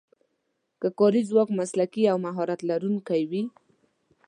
که کاري ځواک مسلکي او مهارت لرونکی وي.